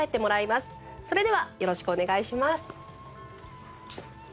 それではよろしくお願いします。